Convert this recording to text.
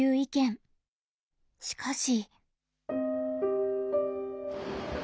しかし。